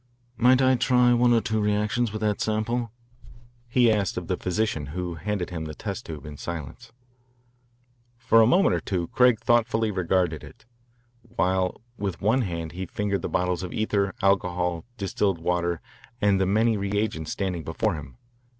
"Might I try one or two reactions with that sample?" he asked of the physician who handed him the test tube in silence. For a moment or two Craig thoughtfully regarded it, while with one hand he fingered the bottles of ether, alcohol, distilled water, and the many reagents standing before him.